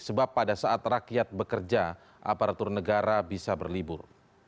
sebab pada saat rakyat bekerja aparatur negara bisa berlibur